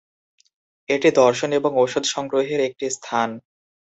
এটি দর্শন এবং ঔষধ সংগ্রহের একটি স্থান।